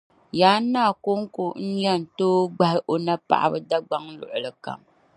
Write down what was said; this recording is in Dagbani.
Yaan Naa koŋko n-yɛn tooi gbahi o paɣaba dagbaŋ luɣilikam